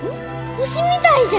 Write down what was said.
星みたいじゃ！